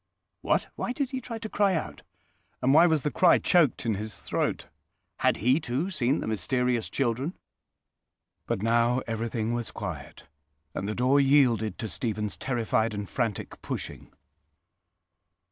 What! why did he try to cry out? and why was the cry choked in his throat? Had he, too, seen the mysterious children? But now everything was quiet, and the door yielded to Stephen's terrified and frantic pushing.